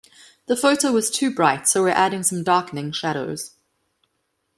The photo was too bright so we're adding some darkening shadows.